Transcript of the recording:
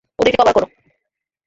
ওদেরকে কভার করো!